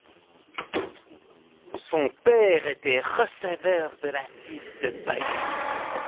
Son père était receveur de la ville de Bayeux.